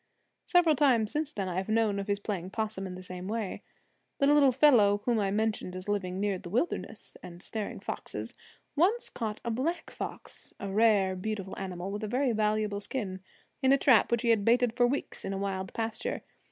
Several times since then I have known of his playing possum in the same way. The little fellow whom I mentioned as living near the wilderness, and snaring foxes, once caught a black fox a rare, beautiful animal with a very valuable skin in a trap which he had baited for weeks in a wild pasture.